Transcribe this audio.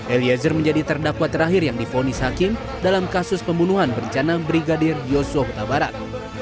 eliezer menjadi terdakwa terakhir yang difonis hakim dalam kasus pembunuhan berencana brigadir yosua huta barat